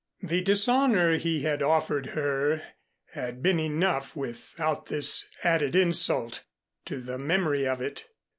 The dishonor he had offered her had been enough without this added insult to the memory of it.